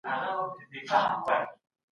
د لاسي صنايعو بازارونه څنګه وو؟